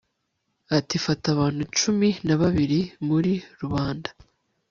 ati fata abantu cumi na babiri muri rubanda